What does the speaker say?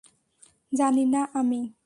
জানি না আমি!